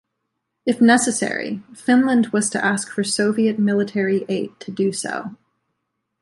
If necessary, Finland was to ask for Soviet military aid to do so.